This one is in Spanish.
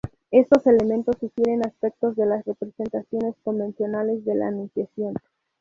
Estos elementos sugieren aspectos de las representaciones convencionales de la Anunciación.